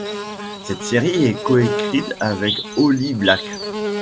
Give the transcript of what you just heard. Cette série est coécrite avec Holly Black.